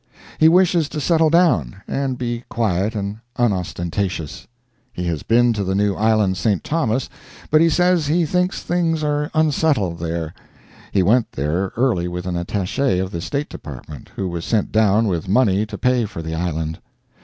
He wishes to settle down, and be quiet and unostentatious. He has been to the new island St. Thomas, but he says he thinks things are unsettled there. He went there early with an attache of the State Department, who was sent down with money to pay for the island.